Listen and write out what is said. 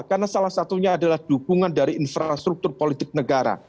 karena salah satunya adalah dukungan dari infrastruktur politik negara